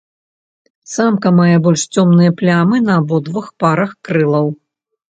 Самка мае больш цёмныя плямы на абодвух парах крылаў.